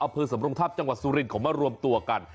อเภอสำโรงทาบจังหวัดสุรินของมารวมตัวกัน